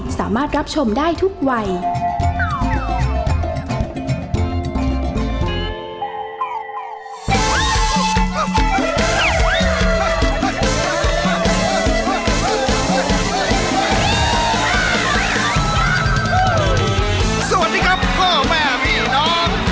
สวัสดีครับพ่อแม่หมี่น้อง